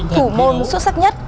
thủ môn xuất sắc nhất